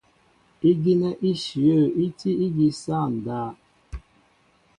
Ígínɛ́ íshyə̂ í tí ígí sááŋ ndáp.